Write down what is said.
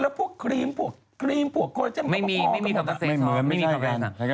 แล้วพวกครีมครีมโคลาเจ็มไม่เหมือนไม่ใช่กัน